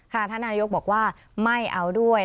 ท่านนายกบอกว่าไม่เอาด้วย